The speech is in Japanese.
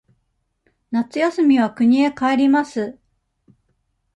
夏休みは国へ帰ります。